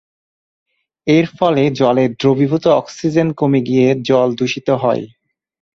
এর ফলে জলের দ্রবীভূত অক্সিজেন কমে গিয়ে জল দূষিতহয়।